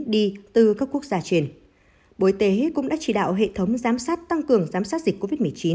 đi từ các quốc gia trên bộ y tế cũng đã chỉ đạo hệ thống giám sát tăng cường giám sát dịch covid một mươi chín